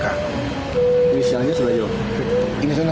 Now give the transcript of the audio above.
kami sudah mengamankan mengamankan mengamankan